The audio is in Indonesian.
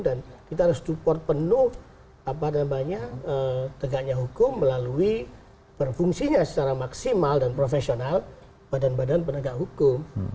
dan kita harus support penuh tegaknya hukum melalui berfungsinya secara maksimal dan profesional badan badan penegak hukum